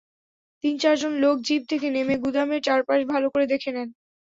তিন-চারজন লোক জিপ থেকে নেমে গুদামের চারপাশ ভালো করে দেখে নেন।